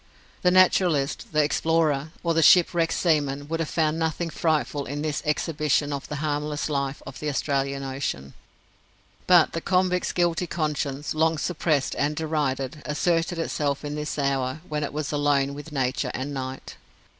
The naturalist, the explorer, or the shipwrecked seaman would have found nothing frightful in this exhibition of the harmless life of the Australian ocean. But the convict's guilty conscience, long suppressed and derided, asserted itself in this hour when it was alone with Nature and Night.